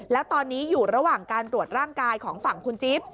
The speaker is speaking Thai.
แล้วตอนนี้อยู่ระหว่างการตรวจร่างกายของฝั่งคุณจิ๊บ